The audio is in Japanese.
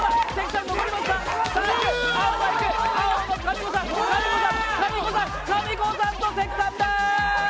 みこさんと関さんだ！